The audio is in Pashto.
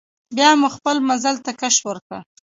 بیا مو خپل مزل ته کش ورکړ.